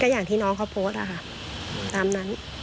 อย่างที่น้องเขาโพสต์นะคะตามนั้น